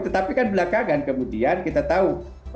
tetapi kan belakangan kemudian kita tahu